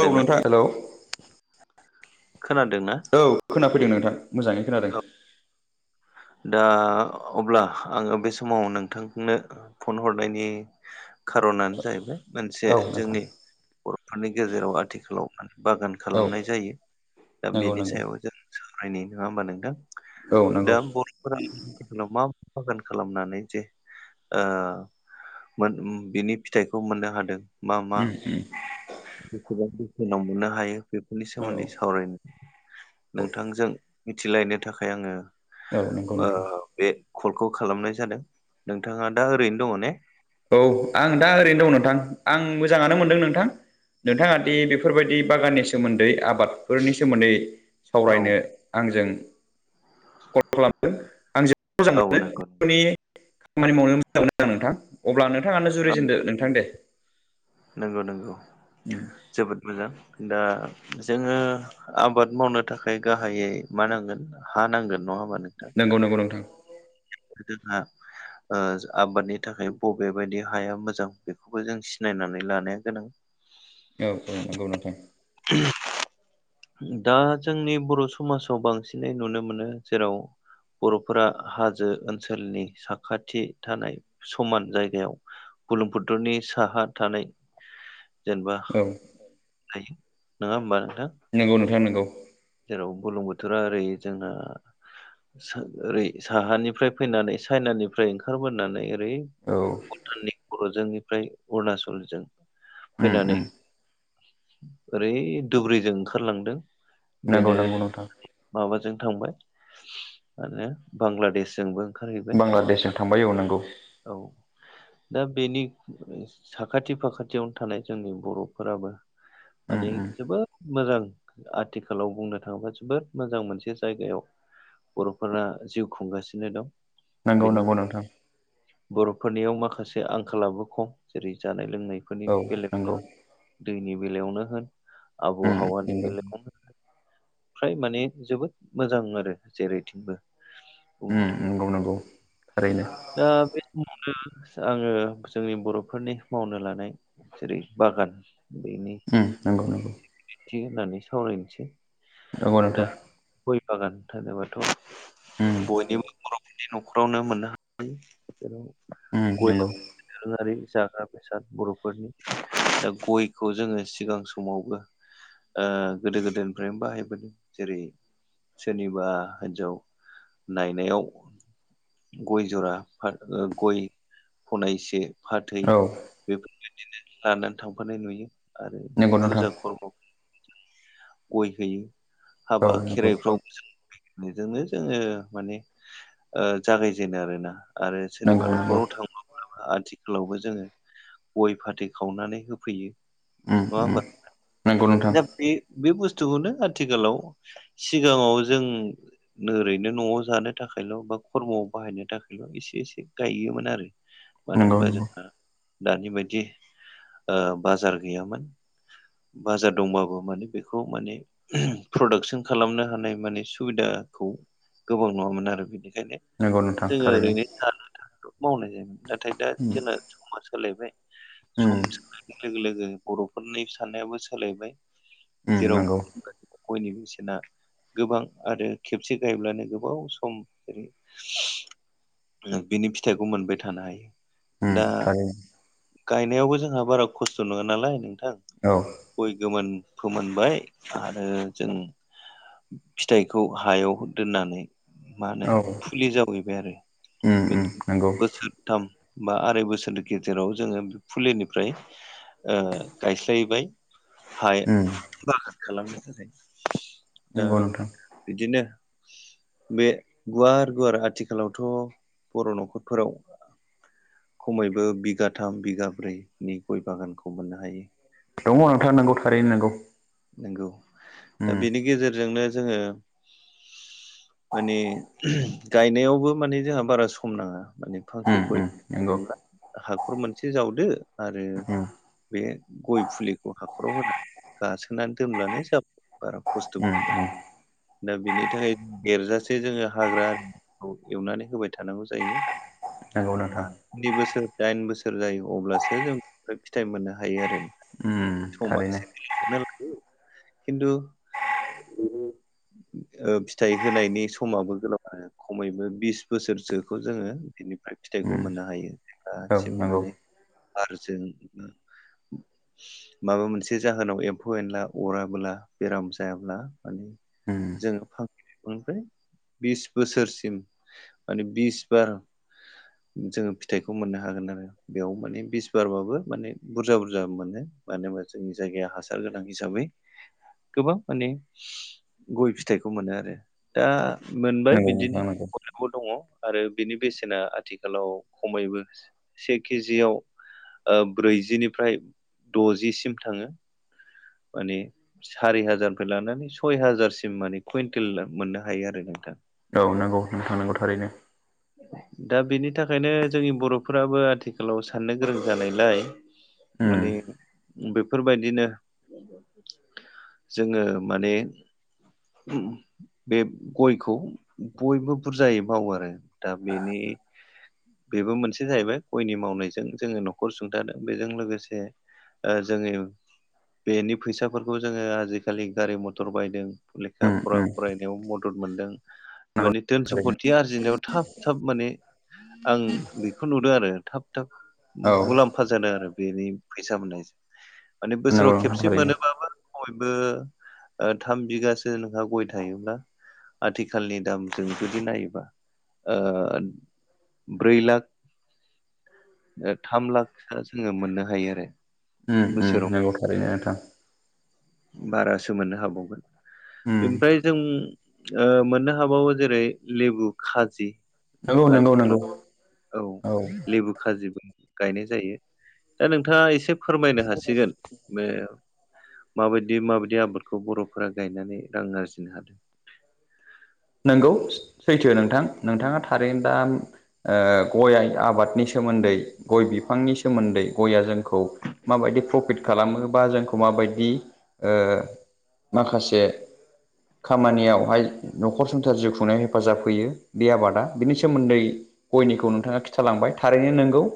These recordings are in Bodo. औ दोंना नोंथां हेलौ खोनादोंना औ। खोनाफैदों नोंथां मोजाङै खोनादों। औ दा अब्ला आङो बे समाव नोंथांनो फन हरनायनि खार'नानो जाहैबाय मोनसे औ नोंथां जोंनि बर'फोरनि गेजेराव आथिखालाव बागान औ खालामनाय जायो दा नंगौ बेनि नंगौ सायाव जों सावरायनि नंङा होमबा नोंथां औ दा नंगौ बर' रा मा बागान खालामनानै जे ओ मोन बिनि फिथाइखौ मोननो हादों। मा मा उम उम बेसेबां बोसोनाव मोननो हायो बेफोरनि औ सोमोन्दै सावरायनो औ नोंथांजों मिथिलायनो थाखाय आंङो। औ नोंगौ नोंथां बे कलखौ खालामनाय जादों नोंथाङा दा ओरैनो दंङ' ने औ आं दा ओरैनो दं नोंथां आं मोजाङानो मोनदों नोंथां नोंथां दि बेफोरबायदि बागाननि सोमोन्दै आबादफोरनि सोमोन्दै औ सावरायनो आंजों कल खालामदों औ नंगौ आंजों [unintelligible] अब्ला नोंथाङानो औ जुरिजेनदो नोंथां दे नंगौ नंगौ जोबोद मोजां दा जोंङो। आबाद मावनो थाखाय गाहायै मा नांगोन हा नांगोन नंङा होमबा नों नंगौ नंगौ नोंथां [unintelligible] ओ आबादनि थाखाय बबे बायदि हाया मोजां बेखौबो जों सिनायनां लानाया गोनां औ औ नंगौ नोंथां [unintelligible] दा जोंनि बर' समाजाव बांसिनै नुनो मोनो जेराव बर'फोरा हाजो ओनसोलनि साखाथि थानाय समान जायगायाव बुर्लुंबुतुनि साहा थानाय जेनेबा औ थायो नङा होमबा नोंथां नंगौ नोंथां नंगौ जेराव गोलोम बोथोरा ओरै जोंना ओरै साहानिफ्राय फैनानै चाइनानिफ्राय ओंखारबोनानै ओरै औ भुटाननि बर'जोंनिफ्राय अरुणाचलजों उम फैनानै उम ओरै दुब्रिजों ओंखारलांदों नंगौ बेनो नंगौ नोंथां माबाजों थांबाय आरो बांलादेशजोंबो ओंखारहैबाय नङा बांलादेशजों थांबाय औ नंगौ औ दा बेनि साखाथि फाखाथियावनो थानाय जोंनि बर'फोराबो उम माने उम जोबोद मोजां आथिखालाव बुंनो थाङोबा जोबोद मोजां मोनसे जायगायाव बर'फोरा जिउ खुंगासिनो दं। नंगौ नंगौ बेनिखायनो नोंथां बर'फोरनियाव माखासे आंखालाबो खम जेरै जानाय लोंनायफोरनि औ बेलेग नंगौ दैनि बेलायावनो होन उम आबहावानि नंगौ बेलायावनो फ्राय माने जोबोद मोजां आरो जेरैथिंबो उम बुंनो थाङोब्ला नंगौ नांगौ थारैनो दा बे समावनो आंङो जोंनि बर'फोरनि मावनो लानाय जेरै बागान बेनि उम नंगौ नंगौ थि होननानै सावरायनोसै नंगौ दा नोंथां गय बागान होनोबाथ' उम बयनिबो बर'फोरनि न'खरावनो मोननो हायो जेराव उम गय नंगौ दोरोंङारि जाग्रा बर'फोरनि दा गयखौ जोंङो सिगां समावबो ओ गोदो गोदायनिफ्रायनो बाहायबोदों जेरै सोरनिबा हिन्जाव नायनायाव गय जरा फा ओ गय फनायसे फाथै औ बेफोरबायदिनो लानानै थांफानाय नुयो आरो नंगौ नोंथां फुजा खर्म' गय होयो औ हाबा नंगौ खेराइफ्राव बेजोंनो जोङो माने ओ जागायजेनो आरोना। आरो नंगौ सोरनिबा नंगौ न'खराव थांबा [unintelligible] आथिखालावबो जोङो गय फाथै खावनानै होफैयो। उम नङा होमबा उम। नंगौ नोंथां दा बे, बे बुस्थुखौनो आथिखालाव सिगाङाव जों नोरैनो न'आव जानो थाखायल' बा खर्म'आव बाहायनो थाखायल' एसे एसे गायोमोन आरो। मानो नंगौ होनबा नंगौ जोंहा दानि बायदि ओ बाजार गैयामोन। बाजार दंबाबो माने बेखौ माने प्रडाक्सन खालामनो हानाय माने सुबिदाखौ गोबां नङामोन आरो बेनिखायनो नंगौ नोंथां जोङो थारैनो ओरैनो [unintelligible] थाथ' मावनाय जायोमोन नाथाय दा जोंना समा सोलायबाय। उम समजोंनो लोगो लोगो बर'फोरनि साननायाबो सोलायबाय उम जेराव नंगौ [inaudible] गयनि बेसेना गोबां आरो खेबसे गायब्लानो गोबाव सम जेरै बिनि फिथाइखौ मोनबाय थानो हायो। उम दा थारैनो गायनायावबो जोंहा बारा खस्थ' नङा नालाय नोंथां। औ। गय गोमोन फोमोनबाय आरो जों फिथाइखौ हायाव दोननानै मा होनो औ फुलि जावैबाय आरो उम उम बेनि नंगौ बोसोर थाम बा आराय बोसोरनि गेजेराव जोङो फुलिनिफ्राय ओ गायस्लायबाय हा उम बागान खालामनो थाखाय। दा नंगौ नोंथां बिदिनो बे गुवार गुवार आथिखालावथ' बर' न'खरफोराव खमैबो बिघा थाम बिघा ब्रै नि गय बागानखौ मोननो हायो। दङ' नोंथां नोंगौ थारैनो नोंगौ। नोंगौ दा बेनि गेजेरजोंनो जोङो माने गायनायावबो माने जोंहा बारा सम नाङा माने फांसे गय नोंंगौ। गायनोब्ला हाखर मोनसे जावदो आरो उम बे गय फुलिखौ हाखराव होना गासो सोनानै दोनब्लानो जाब बारा खस्थ'बो उम गैया। उम दा बिनि थाखाय गेरजासे जोङो हाग्रा खौ एवनानै होबाय थानांगौ जायो। नंगौ ओ नोंथां स्नि बोसोर दाइन बोसोर जायो अब्लासो जों ओमफ्राय फिथाइ मोननो हायो आरो उम समा थारैनो एसे [unintelligible] खिन्थु ओ फिथाइ होनायनि समाबो [unintelligible] खमैबो बिस बोसोरसोखौ जोङो बिनिफ्राय फिथाइखौ उम मोननो हायो। औ दासिम नंगौ माने आरो जों माबा मोनसे जाहोनाव एम फौ एनला अराबोला बेराम जायाब्ला माने उम जोङो [inaudible] ओमफ्राय बिस बोसोरसिम माने बिस बार जोङो फिथाइखौ मोननो हागोन आरो। बेयाव माने बिस बारबाबो माने बुरजा बुरजा मोनो मानो होनबा जोंनि जायगाया हास सार गोनां हिसाबै गोबां माने गय फिथाइखौ मोनो आरो। दा मोनबाय नंगौ बिदिनो नोंथां नंगौ दङ आरो बिनि बेसेना आथिखालाव खमैबो से केजियाव ब्रैजिनिफ्राय द'जिसिम थाङो माने सारि हाजारनिफ्राय लानानै सय हाजारसिम माने कुइन्टेल मोननो हायो आरो नोंथां औ नंगौ नों थांनांगौ थारैनो [inaudible] दा बेनि थाखायनो जोंनि बर'फोराबो आथिखालाव साननो गोरों जानायलाय माने उम बेफोरबायदिनो जोङो माने बे गयखौ बयबो बुरजायै मावो आरो दा बेनि बेबो मोनसे जाहैबाय गयनि मावनायजों जोङो न'खर सुंथादों बेजों लोगोसे जोङो बेनि फैसाफोरखौ जोङो आजिखालि गारि मथर बायदों लेखा उम फरा उम फरायदों मदद मोनदों नंगौ माने घोन थारैनो सम्पद आरजिनायाव थाब थाब माने आं बेखौ नुदों आरो थाब थाब औ मुलाम्फा जादों आरो बेनि फैसा मोननायजों माने बोसोराव नंगौ नोंथां खेबसे थारैनो मोनोबाबो बयबो थाम बिगासो नोंहा गय थायोब्ला आथिखालनि दामजों जुदि नायोबा ब्रै लाख थाम लाख सो जों मोननो हायो आरो उम उम बोसोराव नगौ थारैनो नोंथां बारासो मोननो हाबावगोन उम ओमफ्राय जों मोननो हाबावो जेरै लेबु खाजि नंगौ नंगौ नंगौ आथिखालाव औ लेबु खाजोबो गायनाय जायो दा नोंथाङा एसे फोरमायनो हासिगोन बे माबायदि माबायदि आबादखौ बर'फोरा गायनानै रां आरजिनो हादों नंगौ सैथो नोंथां नोंथाङा थारैनो दा गया आबादनि सोमोन्दै गय बिफांनि सोमोन्दै गयआ जोंखौ माबायदि प्रफिट खालामोबा जोंखौ माबायदि माखासे खामानियावहाय न'खर संसार जिउ खुंनायाव हेफाजाब होयो बे आबादा बिनि सोमोन्दै गयनिखौ नोंथाङा खिथालांबाय थारैनो नोंगौ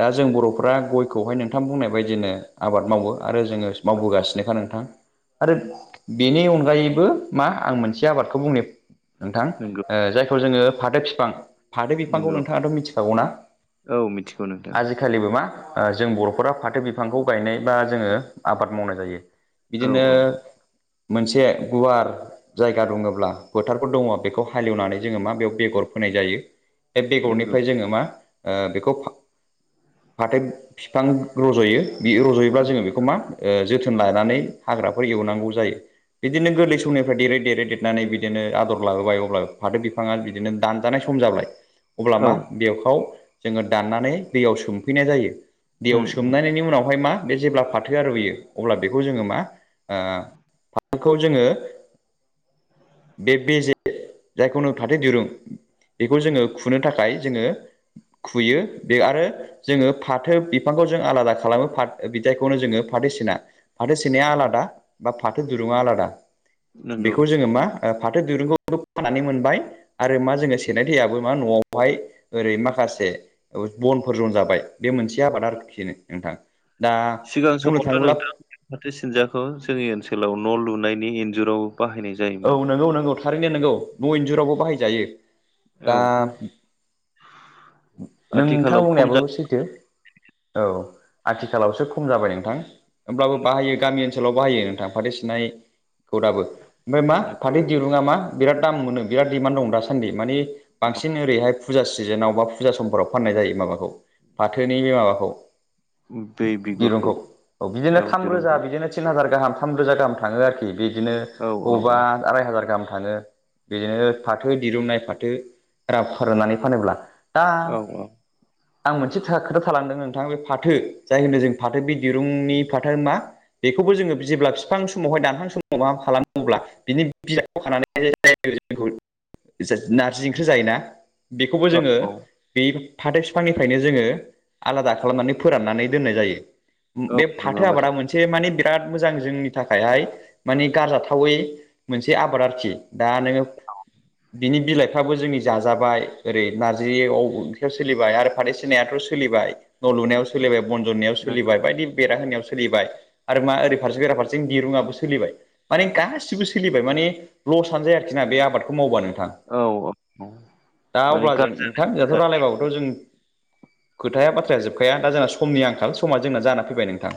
दा जों बर'फ्रा गयखौहाय नोंथां बुंनाय बायदिनो आबाद मावो आरो जोङो मावबोगासिनोखा नोंथां आरो बेनि अनगायैबो मा आं मोनसे आबादखौ बुंनो नोंथां नंगौ जायखौ जोङो फाथो बिफां फादो बिफांखौ नंगौ नोंथाङाथ' मिथि थागना औ मिथिगौ नोंथां आजिखालिबो मा जों बर'फोरा फाथो बिफांखौ गायनाय बा जोङो आबाद मावनाय जायो औ बिदिनो औ मोनसे गुवार जायगा दंङला फोथारफोर दंङ बेखौ हालेवनानै जोङो मा बेयाव बेगर फोनाय जायो बे नंगौ बेगरनिफ्राय जोङो मा बेखौ फाथो बिफां रज'यो बि रज'योब्ला औ जोङो बेखौ मा जोथोन लानानै हाग्राफोर एवनांगौ जायो बिदिनो गोरलै समनिफ्राय देरै देरो देरनानै बिदिनो आदर लाबोबाय अब्ला फाथो बिफाङा बिदिनो दानजानाय सम जाबाय अब्ला मा औ बेखौ जोङो दाननानै दैयाव सोमफैनाय जायो उम दैयाव उम सोमनायनि उनावहाय मा बे जेब्ला फाथोआ रुयो अब्ला बेखौ जोङो मा फाथोखौ जोङो बे बेजे जायखौ नों फाथो दिरुं बेखौ जोङो खुनो थाखाय जोङो खुयो बे आरो जोङो फाथो बिफांखौ जों आलादा खालामो फा बिदाइखौनो जोङो फाथो सिना फाथो सोनाया औ आलादा बा फाथो दुरुङा आलादा। नंगौ बेखौ जोङो मा फाथो दिरुंखौ फोनानै मोनबाय आरो मा जोङो सेरनाय दैयाबो मा न'आवहाय ओरै माखासे बनफोरजन जनजाबाय बे मोनसे आबाद आरोखिनो नोंथां दा सिगां बुंनो समावथ' थाङोब्ला नों फाथो सिनजाखौ जोंनि ओनसोलाव न' लुनायनि इन्जुराव बाहायनाय जायो। औ नंगौ नंगौ थारैनो नोंगौ न' इन्जुरावबो बाहायजायो औ दा नोंथां आथिखालाव खम बुंनायाबो सैथो औ आथिखालावसो खम जाबाय नोंथां। होमब्लाबो बाहायो गामि ओनसोलाव बाहायो नोंथां फाथो सिनायखौ दाबो। ओमफ्राय मा जादों फाथै दिरुंङा मा बिरात दाम मोनो बिरााद दिडिमान्ड दं दासान्दि मानि बांसिन ओरैहाय फुजा सिजोनाव बा फुजा समफोराव फाननाय जायो माबाखौ फाथोनि बे माबाखौ बै बिगुरखौ दिरुंखौ औ बिदिनो थाम रोजा बिदिनो थिन हाजार गाहाम थामरोजा गाहाम थाङो आरोखि बिदिनो औ औ अबा औ आराय हाजार गाहाम थाङो बिदिनो फाथो दिरुननाय फाथो रा फोरनानै फानोब्ला दा औ आं मोनसे खोथा थालांदों नोंथां बे फाथो जाय होनो जों फाथो बे दिरुंनि फाथो मा बेखौबो जोङो जेब्ला बिफां समावहाय दानहां समाव माबा खालामोब्ला बिनि बिलाइखौ खानानै जे जोंखौ नारजि ओंख्रि जायोना बेखौबो जोङो औ औ बे फाथो फिफांनिफ्रायनो जोङो आलादा खालामनानै फोराननानै दोननाय जायो। औ बे नङा फाथो माथो आबादा मोनसे माने बिराद मोजां जोंनि थाखायहाय मानिे गारजाथावै मोनसे आबाद आरोखि दा नोङो बिनि बिलाइफ्राबो जोंनि जाजाबाय ओरै नारजियाव ओंख्रियाव सोलिबाय आरो फाथै सिनायाथ' सोलिबाय न' लुनायाव सोलिबाय बन जन्नायाव सोलिबाय बायदि बेरा होनायाव सोलिबाय आरो मा ओरै फारसे बेरा फारसे दिरुङावबो सोलिबाय माने गासिबो सो सोलिबाय माने लसआनो जाया आरोखि ना बे आबादखौ मावबा नोंथां। औ औ दा माने अब्ला जों नोंथां एथ' गाज्रि रायलायबाबोथ' जों खोथाया बाथ्राया जोबखाया दा जोंना समनि आंखाल समा जोंना जानानै फैबाय नोंथां।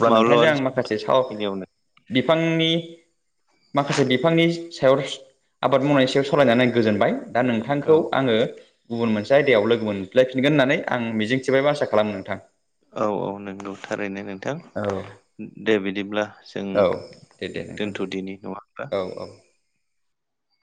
अब्ला नोंथांजों माब्लाबानो आं माखासे साव बेखिनियावनो बिफांनि माखासे बिफांनि सायाव आबाद मावनायनि सायाव सालायनानै आं गोजोनबाय दा औ नोंथांखौ आङो गुबुन मोनसे आयदायाव लोगो मोनफ्लायफिनगोन होननानै आं मिजिं थिबायबा आसा खालामो नोंथां। औ औ नंगौ थारैनो नोंथां औ दे बिदिब्ला जों औ दे दे नोंथां दे दोनथ'दिनि नङा होनब्ला औ औ